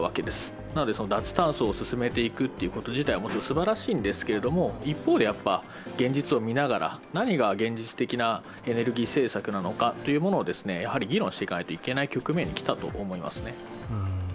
ですので、脱炭素を進めていくということ自体、すばらしいんですが、一方で現実を見ながら何が現実的なエネルギー政策なのかというのを議論していかないといけない局面に来たと思いますね。